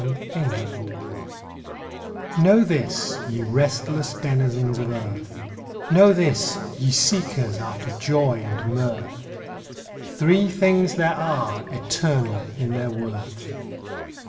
THREE THINGS Know this, ye restless denizens of earth, Know this, ye seekers after joy and mirth, Three things there are, eternal in their worth.